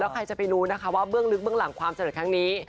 ใครจะไปรู้นะคะว่าเบื้องลึกเบื้องหลังความสำเร็จครั้งนี้